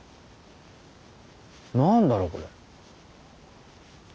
何だろうこれ。